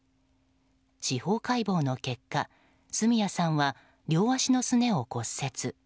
司法解剖の結果角谷さんは両足のすねを骨折。